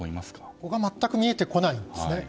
僕は全く見えてこないですね。